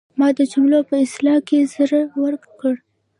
ما د جملو په اصلاح کې زړه ورک کړ.